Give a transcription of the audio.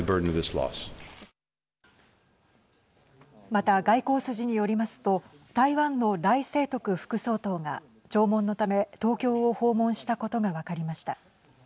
また、外交筋によりますと台湾の頼清徳副総統が弔問のため東京を訪問したことが分かりました。